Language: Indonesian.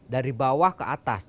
dari bawah ke atas